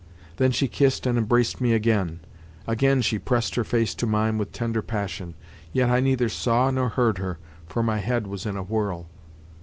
Then she kissed and embraced me again; again she pressed her face to mine with tender passion. Yet I neither saw nor heard her, for my head was in a whirl....